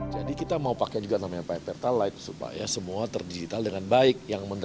jadi kita mau pakai juga namanya pertalite supaya semua terdigital dengan baik